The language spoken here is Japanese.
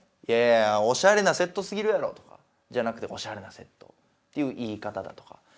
「いやいやおしゃれなセットすぎるやろ」とかじゃなくて「おしゃれなセット」っていう言い方だとか。